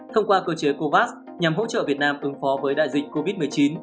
thông qua cơ chế covax nhằm hỗ trợ việt nam ứng phó với đại dịch covid một mươi chín